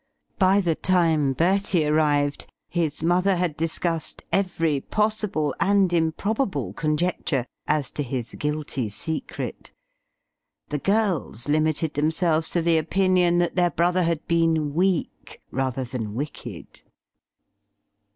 By the time Bertie arrived his mother had discussed every possible and improbable conjecture as to his guilty secret; the girls limited themselves to the opinion that their brother had been weak rather than wicked.